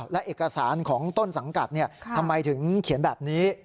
และเอกสารของต้นสังกัดทำไมถึงเขียนแบบนี้